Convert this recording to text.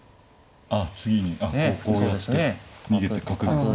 ああ次にこうやって逃げて角。